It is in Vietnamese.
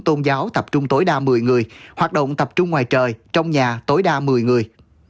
tôn giáo tập trung tối đa một mươi người hoạt động tập trung ngoài trời trong nhà tối đa một mươi người